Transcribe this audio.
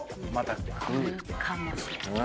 来るかもしれない。